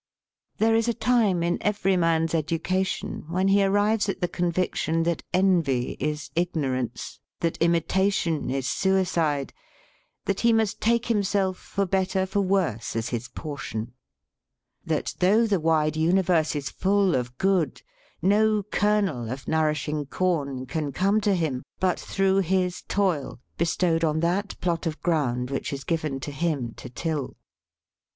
"There is a time in every man's education when he arrives at the conviction that envy is ignorance ; that imitation is suicide ; that he must take himself for better for worse as his portion; that though the wide universe is full of good, no kernel of nourishing corn can come to him but through his toil bestowed on that plot of ground which is given to him to till.